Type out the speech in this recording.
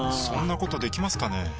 そんなことできますかね？